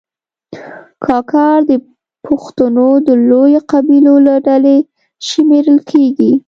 کاکړ د پښتنو د لویو قبیلو له ډلې شمېرل کېږي.